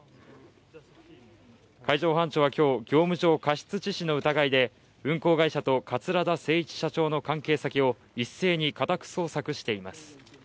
海上保安庁は今日業務上過失致死の疑いで運航会社と桂田精一社長の関係先を一斉に家宅捜索しています。